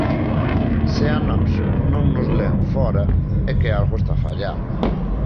Se a nós non nos len fóra é que algo está a fallar.